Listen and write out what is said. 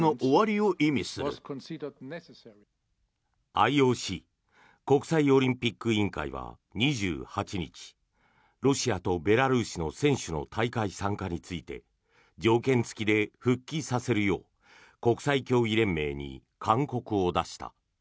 ＩＯＣ・国際オリンピック委員会は２８日ロシアとベラルーシの選手の大会参加について条件付きで復帰させるよう国際競技連盟に勧告を出した。